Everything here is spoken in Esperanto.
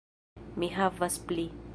Mi havas pli